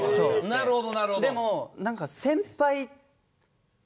なるほど！